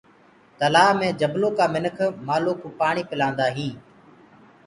تلآه مي جبلو ڪآ مِنک مآلو ڪوُ پآڻي پِلآندآ هينٚ۔